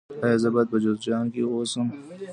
ایا زه باید په جوزجان کې اوسم؟